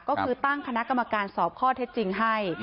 ก็คือตั้งคณะกรรมการสอบข้อเท็จจริงให้